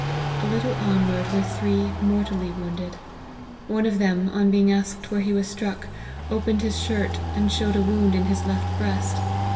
A lit tle onward were three mortally wounded. One of them, on being asked where he was struck, opened his shirt and showed a wound in his left breast.